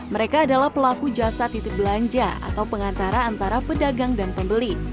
mereka adalah pelaku jasa titip belanja atau pengantara antara pedagang dan pembeli